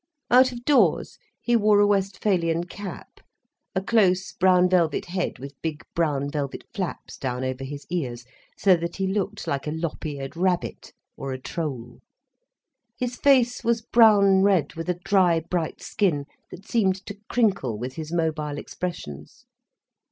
Out of doors he wore a Westphalian cap, a close brown velvet head with big brown velvet flaps down over his ears, so that he looked like a lop eared rabbit, or a troll. His face was brown red, with a dry, bright skin, that seemed to crinkle with his mobile expressions.